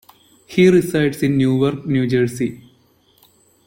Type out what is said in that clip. He resides in Newark, New Jersey.